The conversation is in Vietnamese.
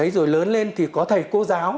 rồi lớn lên thì có thầy cô giáo